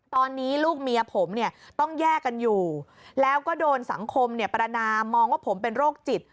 ตอนนี้ลูกเมียผมเนี่ยต้องแยกกันอยู่แล้วก็โดนสังคมประนามมองว่าผมเป็นโรคจิต